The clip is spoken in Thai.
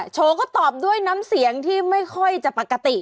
โชว์ก็ตอบด้วยน้ำเสียงที่ไม่ค่อยจะปกติ